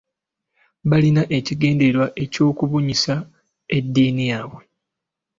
Baalina ekigendererwa eky’okubunyisa eddiini yaabwe.